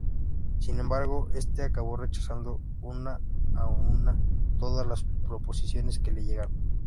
Sin embargo este acabó rechazando una a una todas las proposiciones que le llegaron.